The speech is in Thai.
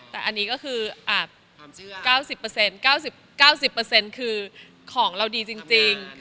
แต่อันนี้ก็คือ๙๐๙๐คือของเราดีจริง